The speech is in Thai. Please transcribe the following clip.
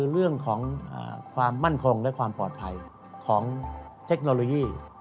เรื่องของความมั่นคงและความปลอดภัยของเทคโนโลยี